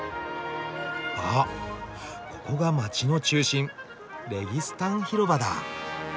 あここが街の中心「レギスタン広場」だ。